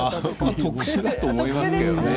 特殊だと思いますけれどね。